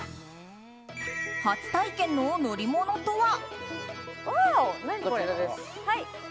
初体験の乗り物とは？